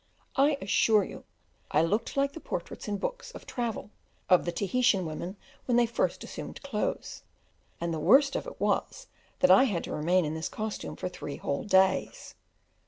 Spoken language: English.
I assure you, I looked like the portraits in books of travel, of the Tahitian women when they first assumed clothes; and the worst of it was, that I had to remain in this costume for three whole days.